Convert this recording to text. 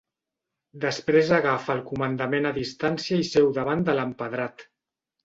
Després agafa el comandament a distància i seu davant de l'empedrat.